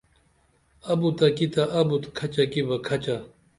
اُبت تہ کی اُبت کھچہ کی بہ کھچہ